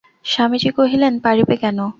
স্বামীজি কহিলেন, পারিবে কেন?